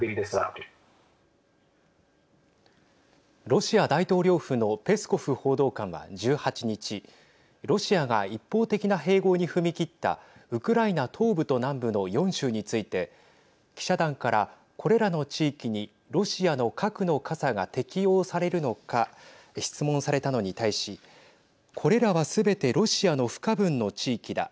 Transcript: ロシア大統領府のペスコフ報道官は１８日ロシアが一方的な併合に踏み切ったウクライナ東部と南部の４州について記者団からこれらの地域にロシアの核の傘が適用されるのか質問されたのに対しこれらはすべてロシアの不可分の地域だ。